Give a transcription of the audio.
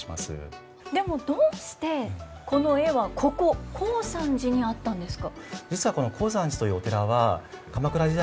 でもどうしてこの絵はここ高山寺にあったんですか？